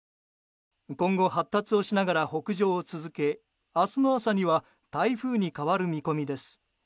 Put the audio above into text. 今後、発達をしながら北上を続け明日の朝には台風に変わる見込みです。